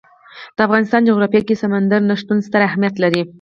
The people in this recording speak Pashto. د افغانستان جغرافیه کې سمندر نه شتون ستر اهمیت لري.